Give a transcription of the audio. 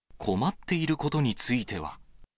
困っていることについては。